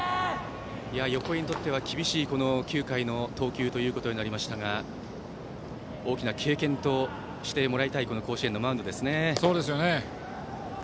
横江にとっては厳しい９回の投球となりましたが大きな経験としてもらいたいこの甲子園のマウンドですね。